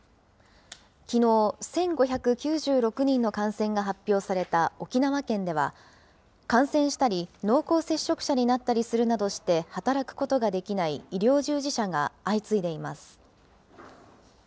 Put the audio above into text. きのう、１５９６人の感染が発表された沖縄県では、感染したり濃厚接触者になったりするなどして働くことができない医療従事者が相次いでいます。